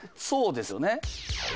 そうですよね。